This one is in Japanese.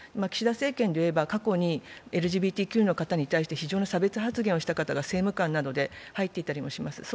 岸田政権でいえば過去にＬＧＢＴＱについて非常な差別発言をした方が政務官として入っていたりします。